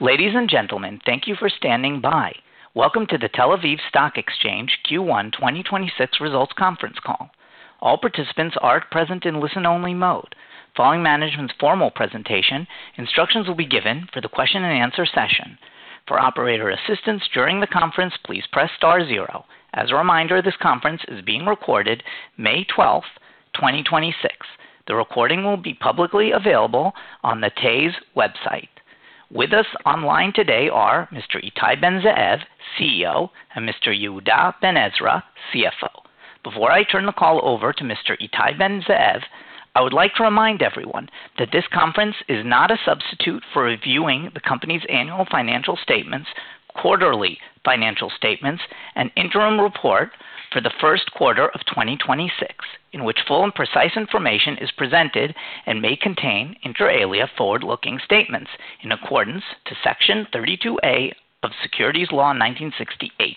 Ladies and gentlemen, thank you for standing by. Welcome to the Tel Aviv Stock Exchange Q1 2026 results conference call. All participants are present in listen-only mode. Following management's formal presentation, instructions will be given for the question and answer session. For operator assistance during the conference, please press star zero. As a reminder, this conference is being recorded May 12, 2026. The recording will be publicly available on the TASE website. With us online today are Mr. Ittai Ben-Zeev, CEO, and Mr. Yehuda Ben-Ezra, CFO. Before I turn the call over to Mr. Ittai Ben-Zeev, I would like to remind everyone that this conference is not a substitute for reviewing the company's annual financial statements, quarterly financial statements, and interim report for the first quarter of 2026, in which full and precise information is presented and may contain, inter alia, forward-looking statements in accordance to Section 32A of the Securities Law, 1968.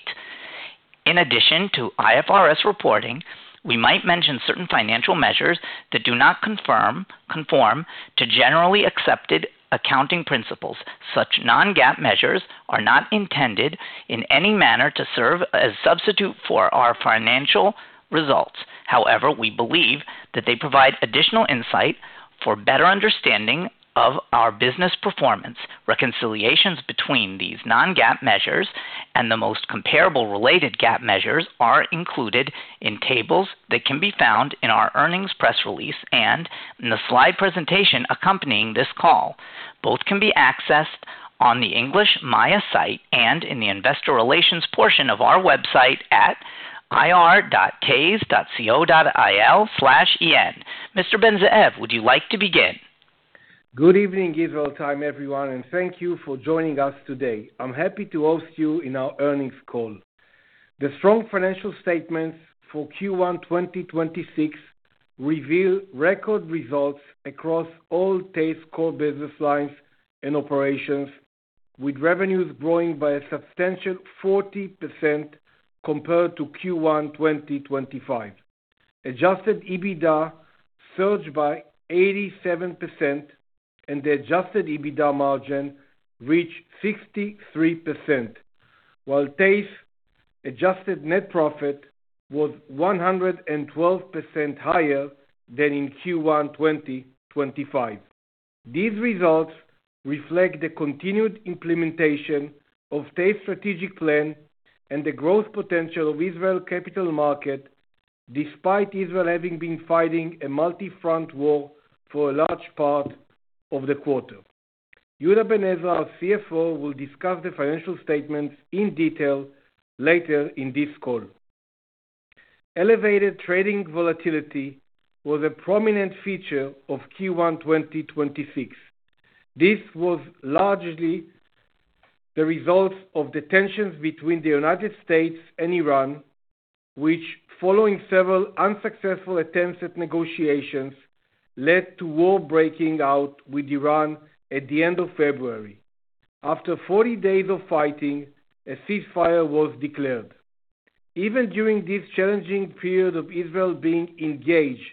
In addition to IFRS reporting, we might mention certain financial measures that do not conform to Generally Accepted Accounting Principles. Such non-GAAP measures are not intended in any manner to serve as substitute for our financial results. However, we believe that they provide additional insight for better understanding of our business performance. Reconciliations between these non-GAAP measures and the most comparable related GAAP measures are included in tables that can be found in our earnings press release and in the slide presentation accompanying this call. Both can be accessed on the English MAYA site and in the investor relations portion of our website at ir.tase.co.il/en. Mr. Ben-Zeev, would you like to begin? Good evening, Israel time, everyone, and thank you for joining us today. I'm happy to host you in our earnings call. The strong financial statements for Q1 2026 reveal record results across all TASE core business lines and operations, with revenues growing by a substantial 40% compared to Q1 2025. Adjusted EBITDA surged by 87%, and the adjusted EBITDA margin reached 63%, while TASE adjusted net profit was 112% higher than in Q1 2025. These results reflect the continued implementation of TASE strategic plan and the growth potential of Israel capital market, despite Israel having been fighting a multi-front war for a large part of the quarter. Yehuda Ben-Ezra, our CFO, will discuss the financial statements in detail later in this call. Elevated trading volatility was a prominent feature of Q1 2026. This was largely the result of the tensions between the United States and Iran, which, following several unsuccessful attempts at negotiations, led to war breaking out with Iran at the end of February. After 40 days of fighting, a ceasefire was declared. Even during this challenging period of Israel being engaged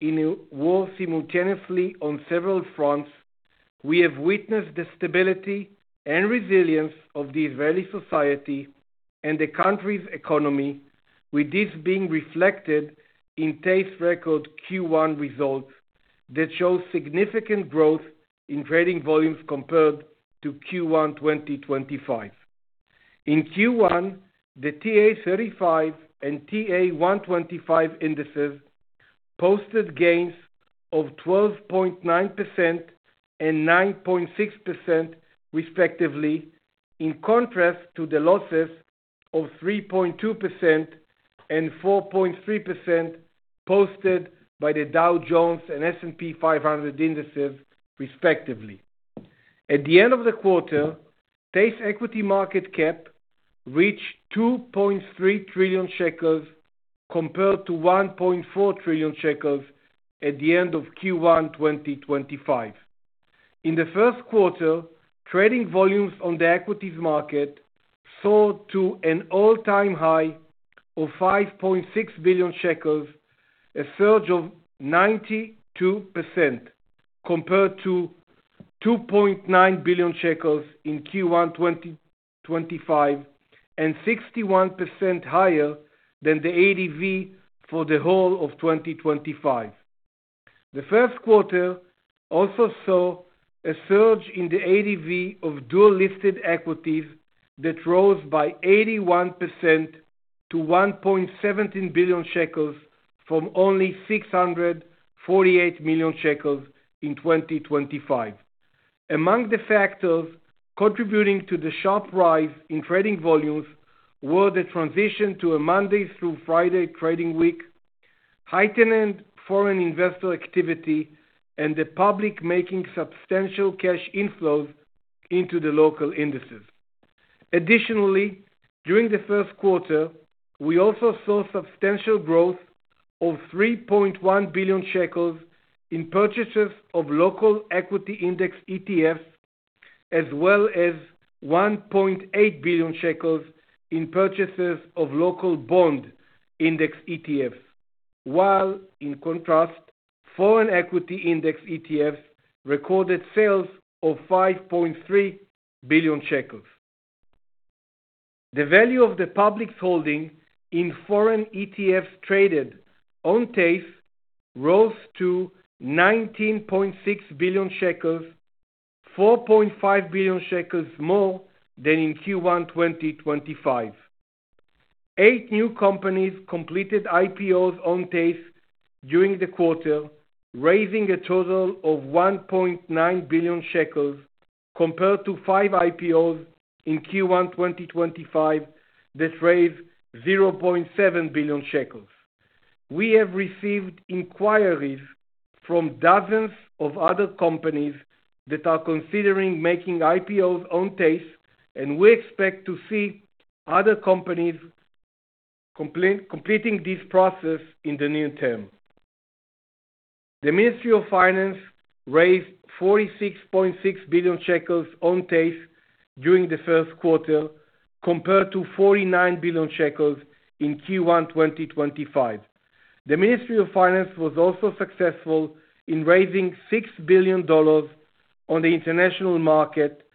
in a war simultaneously on several fronts, we have witnessed the stability and resilience of the Israeli society and the country's economy, with this being reflected in TASE record Q1 results that show significant growth in trading volumes compared to Q1 2025. In Q1, the TA-35 and TA-125 indices posted gains of 12.9% and 9.6% respectively, in contrast to the losses of 3.2% and 4.3% posted by the Dow Jones and S&P 500 indices respectively. At the end of the quarter, TASE equity market cap reached 2.3 trillion shekels compared to 1.4 trillion shekels at the end of Q1 2025. In the first quarter, trading volumes on the equities market soared to an all-time high of 5.6 billion shekels, a surge of 92% compared to 2.9 billion shekels in Q1 2025, and 61% higher than the ADV for the whole of 2025. The first quarter also saw a surge in the ADV of dual-listed equities that rose by 81% to 1.17 billion shekels from only 648 million shekels in 2025. Among the factors contributing to the sharp rise in trading volumes were the transition to a Monday through Friday trading week, heightened foreign investor activity, and the public making substantial cash inflows into the local indices. Additionally, during the first quarter, we also saw substantial growth of 3.1 billion shekels in purchases of local equity index ETFs, as well as 1.8 billion shekels in purchases of local bond index ETFs. While in contrast, foreign equity index ETFs recorded sales of 5.3 billion shekels. The value of the public's holding in foreign ETFs traded on TASE rose to 19.6 billion shekels, 4.5 billion shekels more than in Q1 2025. Eight new companies completed IPOs on TASE during the quarter, raising a total of 1.9 billion shekels compared to five IPOs in Q1 2025 that raised 0.7 billion shekels. We have received inquiries from dozens of other companies that are considering making IPOs on TASE, and we expect to see other companies completing this process in the near term. The Ministry of Finance raised 46.6 billion shekels on TASE during the first quarter, compared to 49 billion shekels in Q1 2025. The Ministry of Finance was also successful in raising $6 billion on the international market,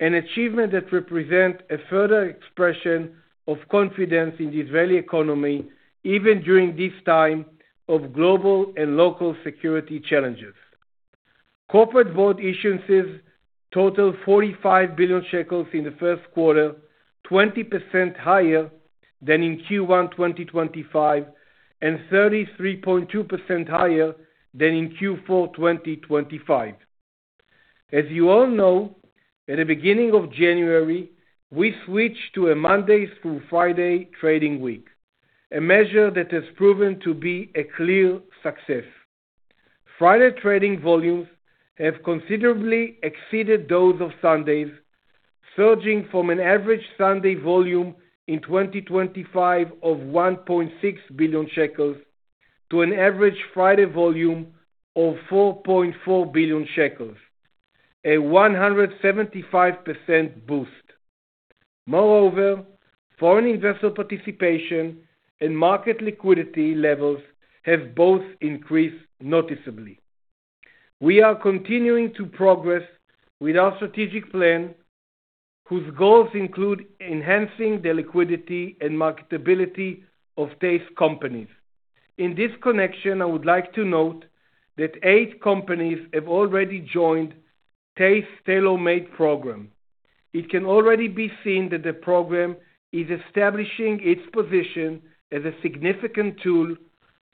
an achievement that represent a further expression of confidence in the Israeli economy, even during this time of global and local security challenges. Corporate bond issuances totaled 45 billion shekels in the first quarter, 20% higher than in Q1 2025, and 33.2% higher than in Q4 2025. As you all know, at the beginning of January, we switched to a Monday through Friday trading week, a measure that has proven to be a clear success. Friday trading volumes have considerably exceeded those of Sundays, surging from an average Sunday volume in 2025 of 1.6 billion shekels to an average Friday volume of 4.4 billion shekels, a 175% boost. Moreover, foreign investor participation and market liquidity levels have both increased noticeably. We are continuing to progress with our strategic plan, whose goals include enhancing the liquidity and marketability of TASE companies. In this connection, I would like to note that eight companies have already joined TASE's Tailor-Made program. It can already be seen that the program is establishing its position as a significant tool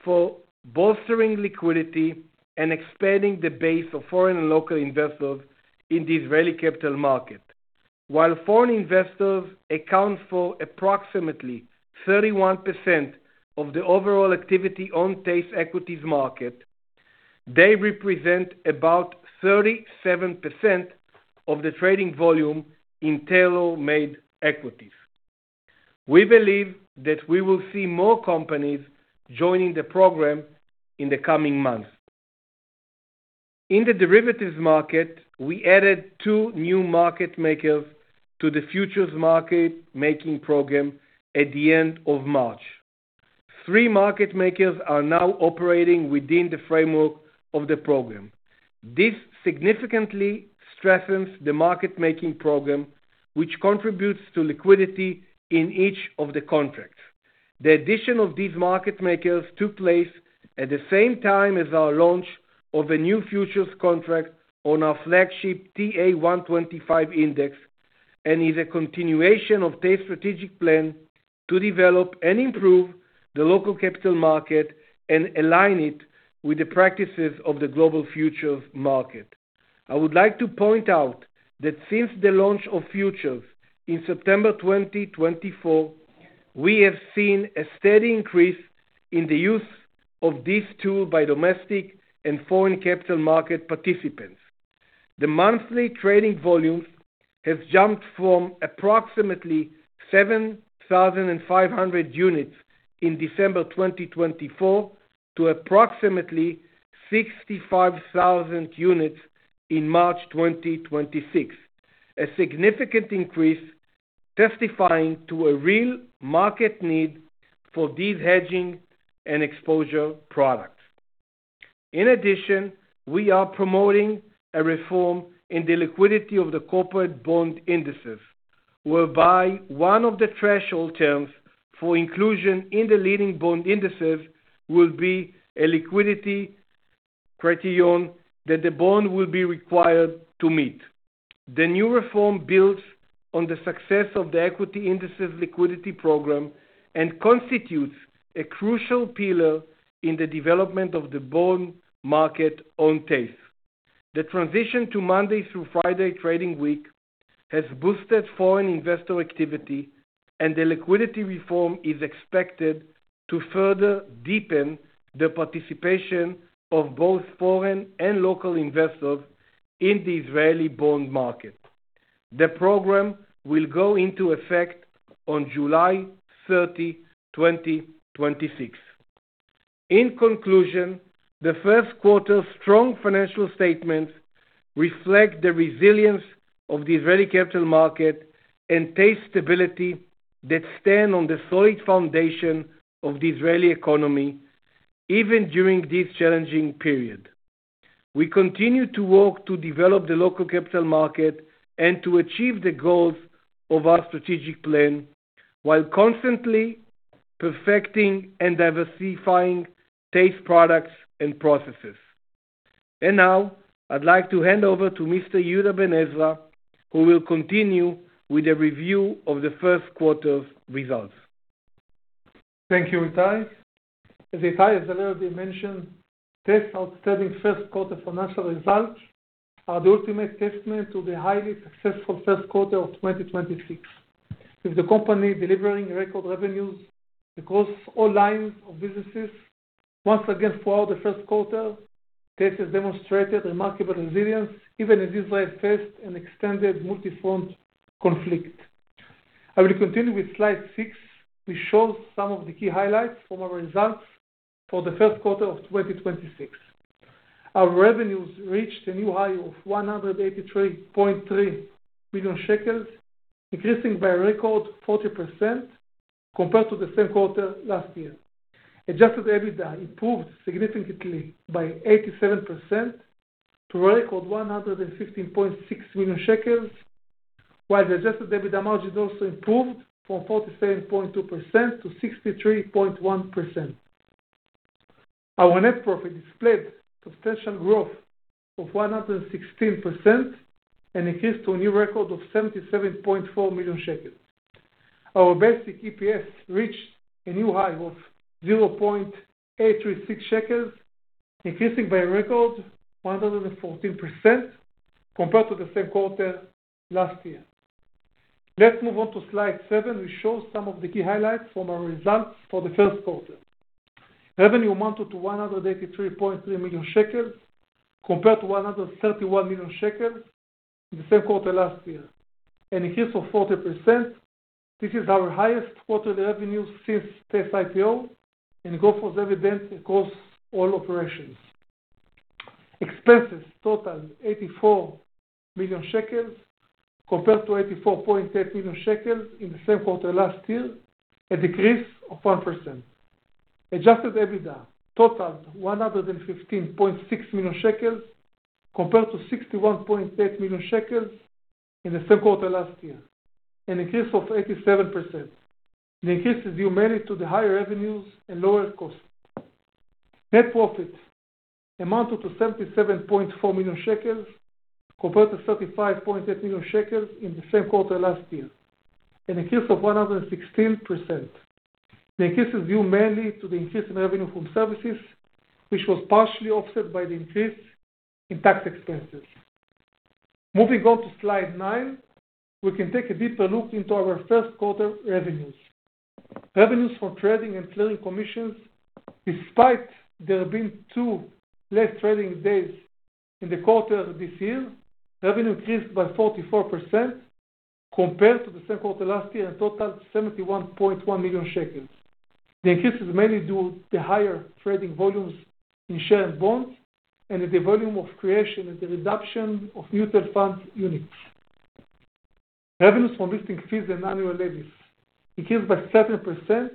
for bolstering liquidity and expanding the base of foreign and local investors in the Israeli capital market. While foreign investors account for approximately 31% of the overall activity on TASE equities market, they represent about 37% of the trading volume in Tailor-Made equities. We believe that we will see more companies joining the program in the coming months. In the derivatives market, we added two new market makers to the futures market making program at the end of March. Three market makers are now operating within the framework of the program. This significantly strengthens the market making program, which contributes to liquidity in each of the contracts. The addition of these market makers took place at the same time as our launch of a new futures contract on our flagship TA-125 index and is a continuation of TASE strategic plan to develop and improve the local capital market and align it with the practices of the global futures market. I would like to point out that since the launch of futures in September 2024, we have seen a steady increase in the use of this tool by domestic and foreign capital market participants. The monthly trading volumes have jumped from approximately 7,500 units in December 2024 to approximately 65,000 units in March 2026. A significant increase testifying to a real market need for these hedging and exposure products. In addition, we are promoting a reform in the liquidity of the corporate bond indices, whereby one of the threshold terms for inclusion in the leading bond indices will be a liquidity criterion that the bond will be required to meet. The new reform builds on the success of the Equity Indices Liquidity Program and constitutes a crucial pillar in the development of the bond market on TASE. The transition to Monday through Friday trading week has boosted foreign investor activity, and the liquidity reform is expected to further deepen the participation of both foreign and local investors in the Israeli bond market. The program will go into effect on July 30, 2026. In conclusion, the first quarter's strong financial statements reflect the resilience of the Israeli capital market and TASE stability that stand on the solid foundation of the Israeli economy, even during this challenging period. We continue to work to develop the local capital market and to achieve the goals of our strategic plan, while constantly perfecting and diversifying safe products and processes. Now I'd like to hand over to Mr. Yehuda Ben-Ezra, who will continue with a review of the first quarter's results. Thank you, Ittai. As Ittai has already mentioned, these outstanding first quarter financial results are the ultimate testament to the highly successful first quarter of 2026, with the company delivering record revenues across all lines of businesses. Once again, throughout the first quarter, TASE has demonstrated remarkable resilience, even as Israel faced an extended multi-front conflict. I will continue with slide six, which shows some of the key highlights from our results for the first quarter of 2026. Our revenues reached a new high of 183.3 million shekels, increasing by a record 40% compared to the same quarter last year. Adjusted EBITDA improved significantly by 87% to a record 115.6 million shekels, while the adjusted EBITDA margin also improved from 47.2%-63.1%. Our net profit displayed substantial growth of 116% and increased to a new record of 77.4 million shekels. Our basic EPS reached a new high of 0.836 shekels, increasing by a record 114% compared to the same quarter last year. Let's move on to slide seven, which shows some of the key highlights from our results for the first quarter. Revenue amounted to 183.3 million shekels compared to 131 million shekels in the same quarter last year, an increase of 40%. This is our highest quarter revenue since TASE IPO and goes as evident across all operations. Expenses totaled 84 million shekels compared to 84.8 million shekels in the same quarter last year, a decrease of 1%. Adjusted EBITDA totaled 115.6 million shekels compared to 61.8 million shekels in the same quarter last year, an increase of 87%. The increase is due mainly to the higher revenues and lower costs. Net profit amounted to 77.4 million shekels compared to 35.8 million shekels in the same quarter last year, an increase of 116%. The increase is due mainly to the increase in revenue from services, which was partially offset by the increase in tax expenses. Moving on to slide nine, we can take a deeper look into our first quarter revenues. Revenues for trading and clearing commissions, despite there being two less trading days in the quarter this year, revenue increased by 44% compared to the same quarter last year and totaled 71.1 million shekels. The increase is mainly due to higher trading volumes in shared bonds and in the volume of creation and the reduction of mutual fund units. Revenues from listing fees and annual levies increased by 7%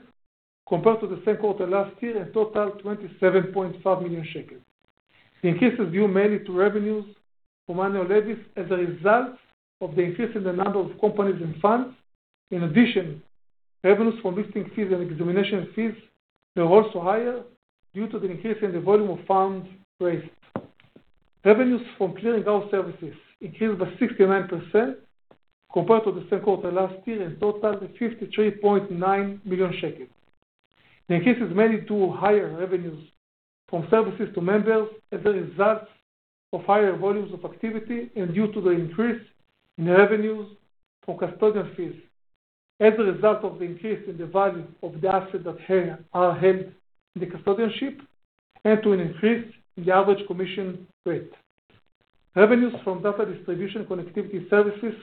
compared to the same quarter last year and totaled 27.5 million shekels. The increase is due mainly to revenues from annual levies as a result of the increase in the number of companies and funds. In addition, revenues from listing fees and examination fees were also higher due to the increase in the volume of funds raised. Revenues from clearing house services increased by 69% compared to the same quarter last year and totaled 53.9 million shekels. The increase is mainly due to higher revenues from services to members as a result of higher volumes of activity and due to the increase in revenues from custodian fees as a result of the increase in the value of the assets that here are held in the custodianship and to an increase in the average commission rate. Revenues from data distribution connectivity services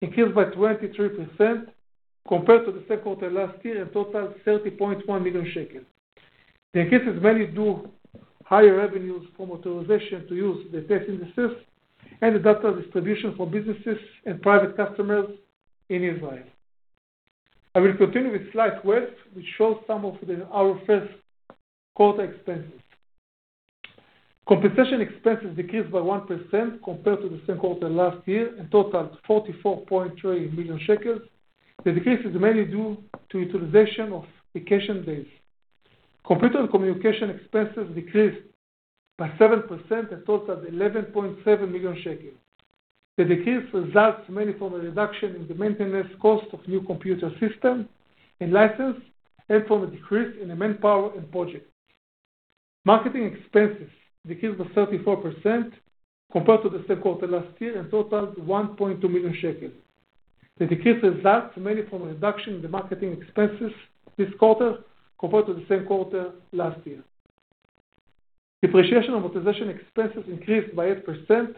increased by 23% compared to the same quarter last year and totaled 30.1 million shekels. The increase is mainly due higher revenues from authorization to use the TASE indices and the data distribution for businesses and private customers in Israel. I will continue with slide 12, which shows our first quarter expenses. Compensation expenses decreased by 1% compared to the same quarter last year and totaled 44.3 million shekels. The decrease is mainly due to utilization of vacation days. Computer and communication expenses decreased by 7% and totaled 11.7 million shekels. The decrease results mainly from a reduction in the maintenance cost of new computer system and license and from a decrease in the manpower and projects. Marketing expenses decreased by 34% compared to the same quarter last year and totaled 1.2 million shekels. The decrease results mainly from a reduction in the marketing expenses this quarter compared to the same quarter last year. Depreciation and amortization expenses increased by 8%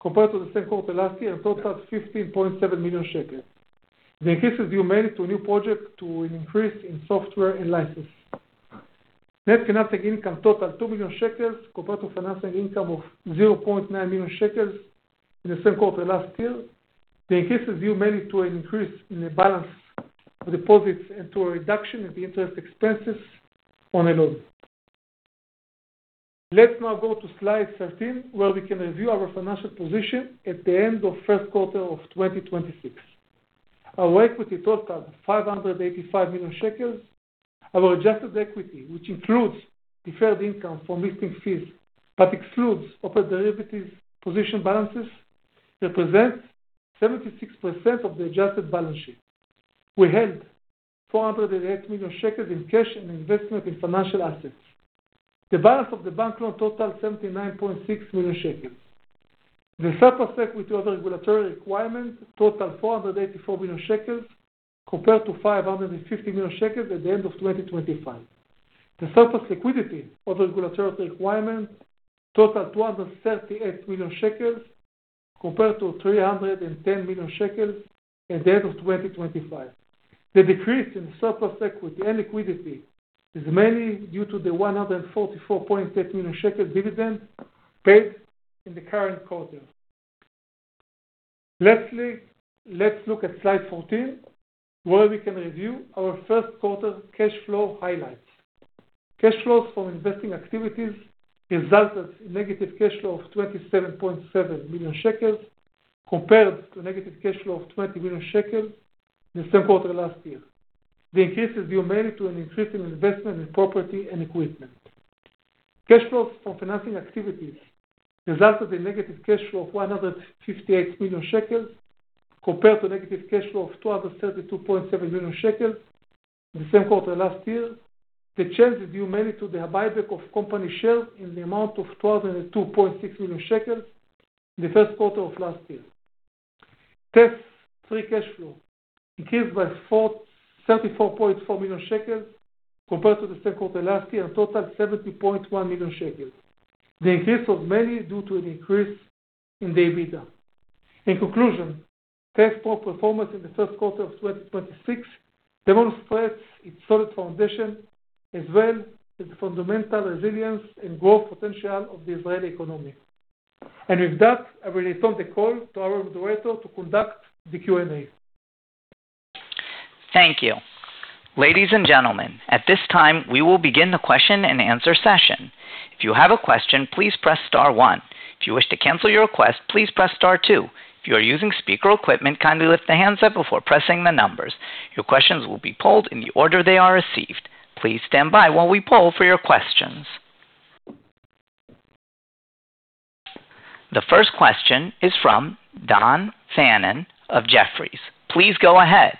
compared to the same quarter last year and totaled 15.7 million shekels. The increase is due mainly to a new project to an increase in software and license, net financing income total 2 million shekels compared to financing income of 0.9 million shekels in the same quarter last year. The increase is due mainly to an increase in the balance of deposits and to a reduction in the interest expenses on a loan. Let's now go to slide 13, where we can review our financial position at the end of first quarter of 2026. Our equity total 585 million shekels. Our adjusted equity, which includes deferred income from listing fees, but excludes other derivatives position balances, represents 76% of the adjusted balance sheet. We held 408 million shekels in cash and investment in financial assets. The balance of the bank loan totals 79.6 million shekels. The surplus equity to other regulatory requirements total 484 million shekels compared to 550 million shekels at the end of 2025. The surplus liquidity of the regulatory requirements total 238 million shekels compared to 310 million shekels at the end of 2025. The decrease in surplus equity and liquidity is mainly due to the 144.8 million shekel dividend paid in the current quarter. Lastly, let's look at slide 14, where we can review our first quarter cash flow highlights. Cash flows from investing activities resulted in negative cash flow of 27.7 million shekels compared to negative cash flow of 20 million shekels in the same quarter last year. The increase is due mainly to an increase in investment in property and equipment. Cash flows from financing activities resulted in negative cash flow of 158 million shekels compared to negative cash flow of 232.7 million shekels in the same quarter last year. The change is due mainly to the buyback of company shares in the amount of 202.6 million shekels in the first quarter of last year. TASE free cash flow increased by 434.4 million shekels compared to the same quarter last year, and totals 70.1 million shekels. The increase was mainly due to an increase in the EBITDA. In conclusion, TASE performance in the first quarter of 2026 demonstrates its solid foundation, as well as the fundamental resilience and growth potential of the Israeli economy. With that, I will return the call to our moderator to conduct the Q&A. The first question is from Dan Fannon of Jefferies. Please go ahead.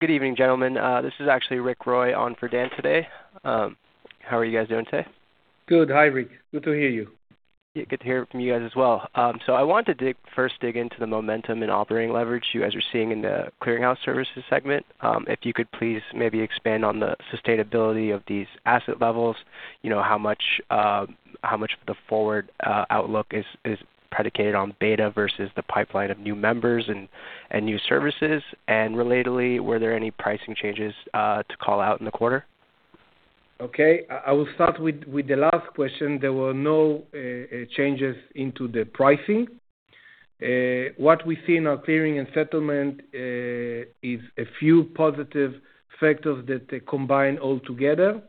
Good evening, gentlemen. This is actually Rick Roy on for Dan today. How are you guys doing today? Good. Hi, Rick. Good to hear you. Yeah, good to hear from you guys as well. I want to first dig into the momentum and operating leverage you guys are seeing in the clearinghouse services segment. If you could please maybe expand on the sustainability of these asset levels, you know, how much the forward outlook is predicated on beta versus the pipeline of new members and new services. Relatedly, were there any pricing changes to call out in the quarter? Okay. I will start with the last question. There were no changes into the pricing. What we see in our clearing and settlement is a few positive factors that combine all together.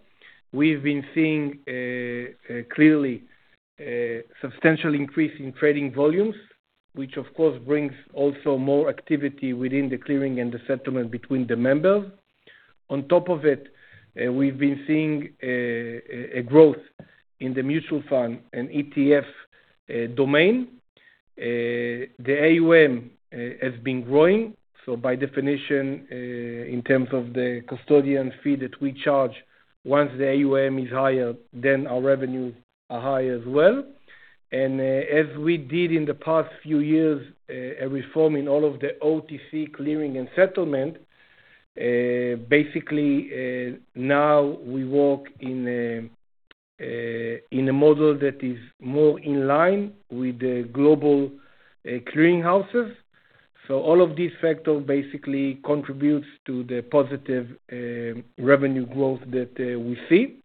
We've been seeing clearly substantial increase in trading volumes, which of course, brings also more activity within the clearing and the settlement between the members. On top of it, we've been seeing a growth in the mutual fund and ETF domain. The AUM has been growing, so by definition, in terms of the custodian fee that we charge, once the AUM is higher, then our revenues are high as well. As we did in the past few years, a reform in all of the OTC clearing and settlement, basically, now we work in a model that is more in line with the global clearing houses. All of these factors basically contributes to the positive revenue growth that we see.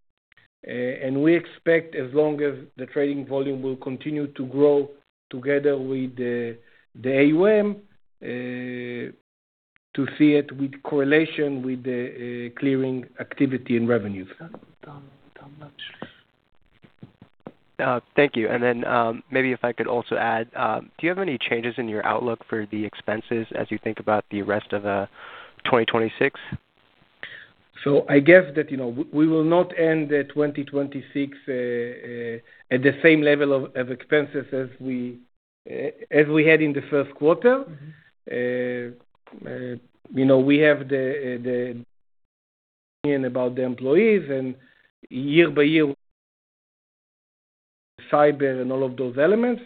We expect, as long as the trading volume will continue to grow together with the AUM, to see it with correlation with the clearing activity and revenue. [inaudible] Thank you. Maybe if I could also add, do you have any changes in your outlook for the expenses as you think about the rest of 2026? I guess that, you know, we will not end 2026 at the same level of expenses as we had in the first quarter. You know, we have the about the employees, and year by year cyber and all of those elements.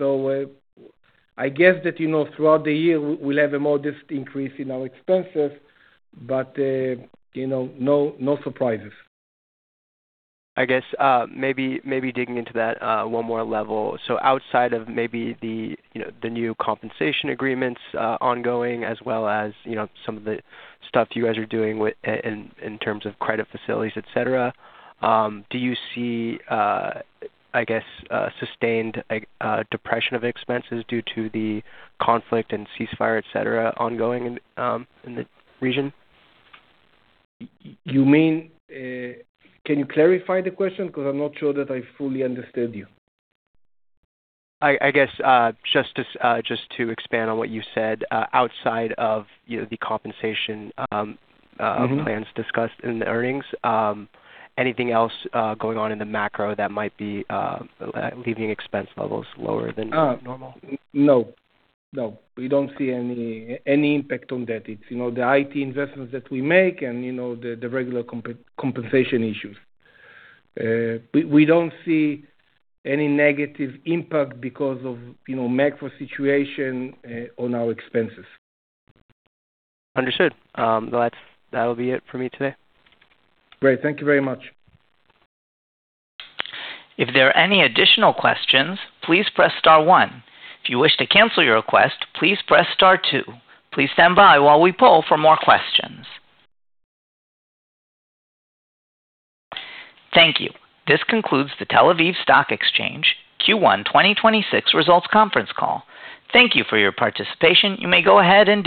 I guess that, you know, throughout the year, we'll have a modest increase in our expenses, but, you know, no surprises. I guess, maybe digging into that, one more level, so outside of maybe the, you know, the new compensation agreements, ongoing, as well as, you know, some of the stuff you guys are doing with, in terms of credit facilities, et cetera, do you see, I guess, a sustained depression of expenses due to the conflict and ceasefire, et cetera, ongoing, in the region? You mean, can you clarify the question? I'm not sure that I fully understood you. I guess, just to expand on what you said, outside of, you know, the compensation plans discussed in the earnings, anything else going on in the macro that might be leaving expense levels lower than normal? No. No, we don't see any impact on that. It's, you know, the IT investments that we make and, you know, the regular compensation issues. We don't see any negative impact because of, you know, macro situation on our expenses. Understood. Well, that'll be it for me today. Great. Thank you very much. Thank you. This concludes the Tel Aviv Stock Exchange Q1 2026 results conference call. Thank you for your participation. You may go ahead and disconnect.